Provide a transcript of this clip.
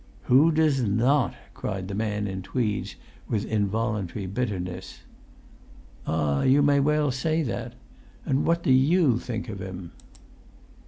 "Who does not?" cried the man in tweeds, with involuntary bitterness. "Ah, you may well say that! And what do you think of him?"